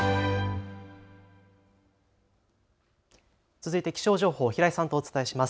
続いて気象情報、平井さんとお伝えします。